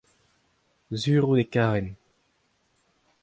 sur out e karen.